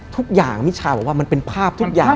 ทุกอย่างมิชาบอกว่ามันเป็นภาพทุกอย่าง